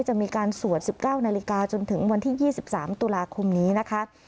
จะมีการสวดสิบเก้านาฬิกาจนถึงวันที่ยี่สิบสามตุลาคมนี้นะคะ